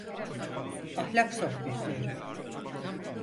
Ahlak sohbetleri.